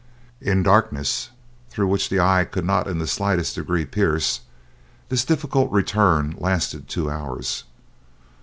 In darkness through which the eye could not in the slightest degree pierce, this difficult return lasted two hours.